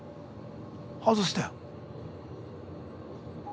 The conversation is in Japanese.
外したよ。